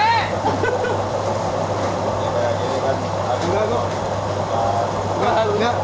ini kan adura kok